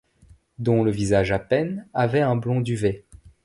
Dont le visage à peine avait un blond duvet. ;